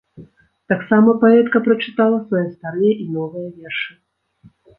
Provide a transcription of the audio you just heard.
Таксама паэтка прачытала свае старыя і новыя вершы.